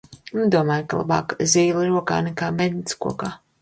"Nedomāju, ka "labāk zīle rokā, nekā mednis kokā"."